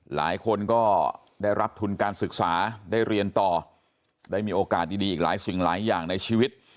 หลายคนก็ได้รับทุนการศึกษาได้เรียนต่อได้มีโอกาสดีอีกหลายสิ่งหลายอย่างในชีวิต